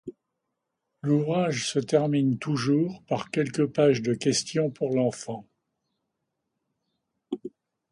L'ouvrage se termine toujours par quelques pages de questions pour l'enfant.